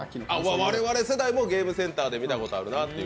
我々世代もゲームセンターで見たことあるなって。